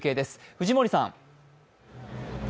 藤森さん。